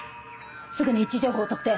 すぐに位置情報を特定！